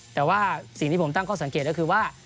แต่ว่าสิ่งที่ผมตั้งข้อสังเกตก็คือว่า